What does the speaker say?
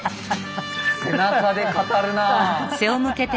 背中で語るなぁ。